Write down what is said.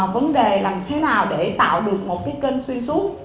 vấn đề làm thế nào để tạo được một cái kênh xuyên suốt